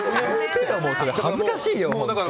恥ずかしいよ。